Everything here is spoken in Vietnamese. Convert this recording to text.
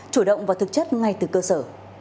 chủ động và thực chất ngay từ cơ sở